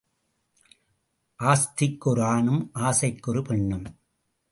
ஆஸ்திக்கு ஓர் ஆணும் ஆசைக்கு ஒரு பெண்ணும்.